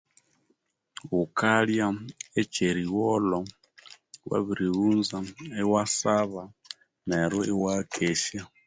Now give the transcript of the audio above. Thukalya ekyerigholho wabirighunza iwasaba neru iwayakesya